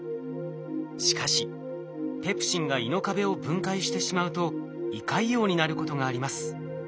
しかしペプシンが胃の壁を分解してしまうと胃潰瘍になることがあります。